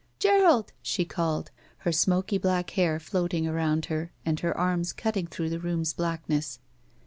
'' Gerald !'' she called, her smoky black hair floating arotmd her and her arms cutting through the room's blackness.